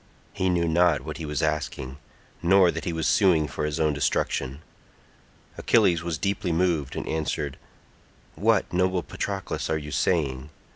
He knew not what he was asking, nor that he was suing for his own destruction. Achilles was deeply moved and answered, "What, noble Patroclus, are you saying?